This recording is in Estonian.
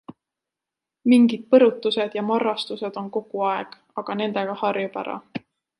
Mingid põrutused ja marrastused on kogu aeg, aga nendega harjub ära.